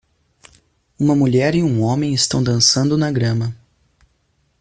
Uma mulher e um homem estão dançando na grama.